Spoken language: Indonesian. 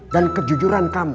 dan kejujuran kamu